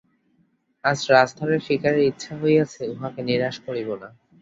আজ রাজধরের শিকারের ইচ্ছা হইয়াছে, উঁহাকে নিরাশ করিব না।